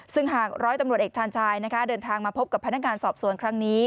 ซึ่งหากร้อยตำรวจเอกชาญชายเดินทางมาพบกับพนักงานสอบสวนครั้งนี้